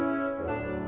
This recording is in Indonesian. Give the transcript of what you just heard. ya pak sofyan